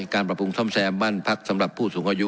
การปรับปรุงซ่อมแซมบ้านพักสำหรับผู้สูงอายุ